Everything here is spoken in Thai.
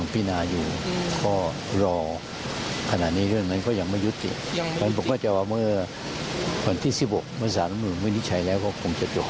ผู้ตรวจการแบบนิน